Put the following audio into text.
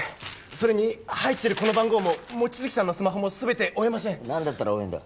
それに入ってるこの番号も望月さんのスマホも全て追えません何だったら追えんだ？